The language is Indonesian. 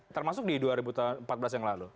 termasuk di dua ribu empat belas yang lalu